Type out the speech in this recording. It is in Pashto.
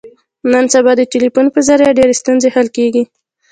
نن سبا د ټلیفون په ذریعه ډېرې ستونزې حل کېږي.